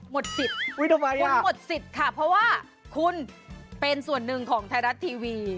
สิทธิ์คุณหมดสิทธิ์ค่ะเพราะว่าคุณเป็นส่วนหนึ่งของไทยรัฐทีวี